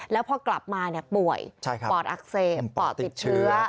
แล้วพอกลับมาป่วยปอดอักเสบปอดติดเชื้อ